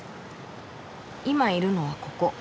今いるのはここ。